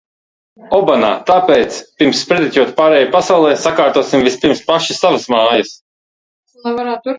Tāpēc, pirms sprediķot pārējai pasaulei, sakārtosim vispirms paši savas mājas.